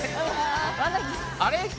あれ？